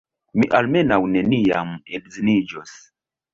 Mi almenaŭ neniam edziniĝos!